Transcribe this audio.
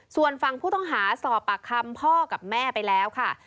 ส่วนฝั่งผู้ต้องหาสอบปากคำพ่อกับแม่ไปแล้วค่ะ